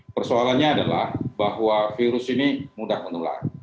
persoalannya adalah bahwa virus ini mudah menular